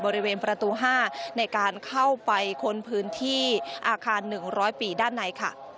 บริเวณประตู๕ในการเข้าไปค้นพื้นที่อาคาร๑๐๐ปีด้านในค่ะ